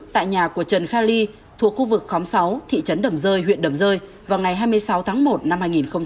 tại nhà của trần kha ly thuộc khu vực khóm sáu thị trấn đầm rơi huyện đầm rơi vào ngày hai mươi sáu tháng một năm hai nghìn hai mươi